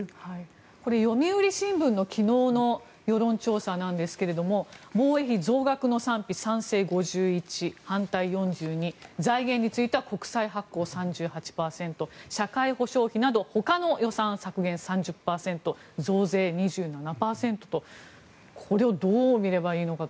これは読売新聞の昨日の世論調査なんですが防衛費増額の賛否賛成５１％、反対４２％財源については国債発行３８％社会保障費などほかの予算削減３０％増税、２７％とこれをどう見ればいいのか。